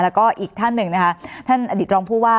แล้วก็อีกท่านหนึ่งนะคะท่านอดีตรองผู้ว่า